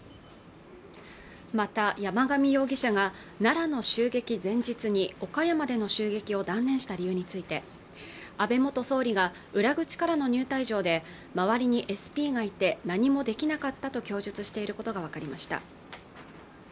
また山上容疑者が奈良の襲撃前日に岡山での襲撃を断念した理由について安倍元総理が裏口からの入退場で周りにＳＰがいて何もできなかったと供述していることが分かりました